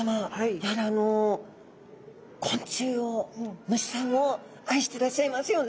やはり昆虫を虫さんを愛してらっしゃいますよね。